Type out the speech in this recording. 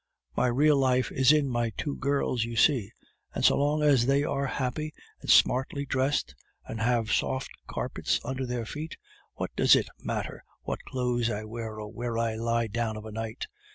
"My real life is in my two girls, you see; and so long as they are happy, and smartly dressed, and have soft carpets under their feet, what does it matter what clothes I wear or where I lie down of a night?